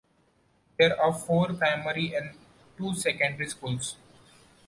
There are four primary and two secondary schools.